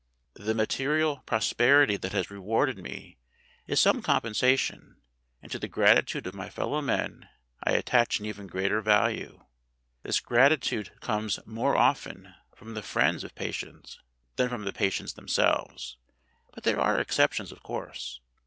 The material prosperity that has rewarded me is some com pensation, and to the gratitude of my fellow men I attach an even greater value. This gratitude comes more often from the friends of patients than from the patients themselves. But there are exceptions, of course.